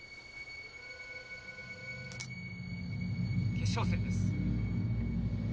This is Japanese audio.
決勝戦です。